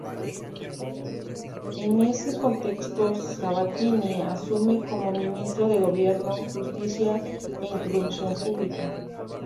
En ese contexto, Sabattini asume como Ministro de Gobierno, Justicia e Instrucción Pública.